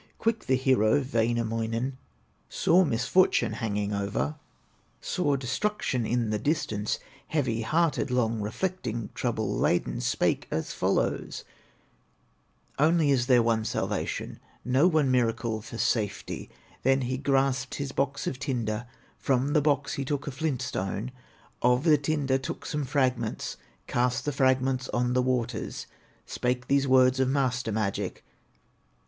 Quick the hero, Wainamoinen, Saw misfortune hanging over, Saw destruction in the distance; Heavy hearted, long reflecting, Trouble laden, spake as follows: "Only is there one salvation, Know one miracle for safety!" Then he grasped his box of tinder, From the box he took a flint stone, Of the tinder took some fragments, Cast the fragments on the waters, Spake these words of master magic.